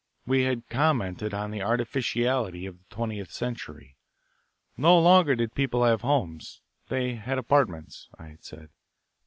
We had commented on the artificiality of the twentieth century. No longer did people have homes; they had apartments, I had said.